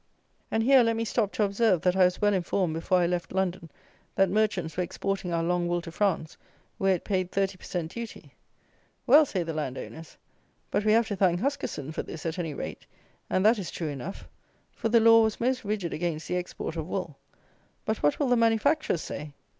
And here let me stop to observe that I was well informed before I left London that merchants were exporting our long wool to France, where it paid thirty per cent. duty. Well, say the landowners, but we have to thank Huskisson for this at any rate; and that is true enough; for the law was most rigid against the export of wool; but what will the manufacturers say?